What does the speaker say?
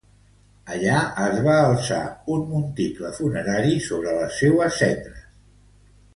Allà es va alçar un monticle funerari sobre les seues cendres.